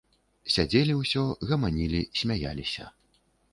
Сядзелі ўсё, гаманілі, смяяліся.